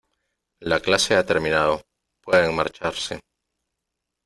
la clase ha terminado , pueden marcharse .